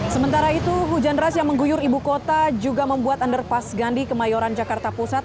sementara itu hujan deras yang mengguyur ibu kota juga membuat underpass gandhi kemayoran jakarta pusat